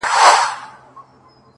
• دروازه د هر طبیب یې ټکوله ,